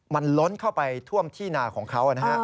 มันล้นเข้าไปท่วมที่นาของเขานะฮะ